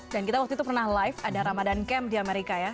dan kita waktu itu pernah live ada ramadan camp di amerika ya